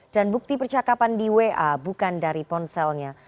bukti percakapan di wa bukan dari ponselnya